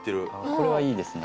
これはいいですね。